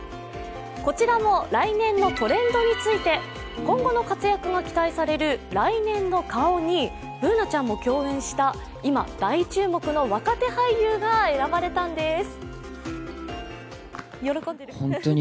こちらも来年のトレンドについて今後の活躍が期待される来年の顔に、Ｂｏｏｎａちゃんも共演した今、大注目の若手俳優が選ばれたんです。